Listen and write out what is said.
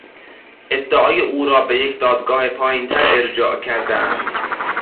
ادعای او را به یک دادگاه پایینتر ارجاع کردهاند.